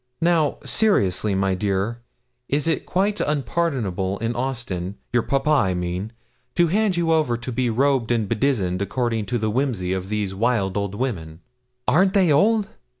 Now, seriously, my dear, it is quite unpardonable in Austin your papa, I mean to hand you over to be robed and bedizened according to the whimsies of these wild old women aren't they old?